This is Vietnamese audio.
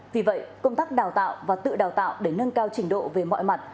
vì vậy công tác đào tạo và tự đào tạo để nâng cao trình độ về mọi mặt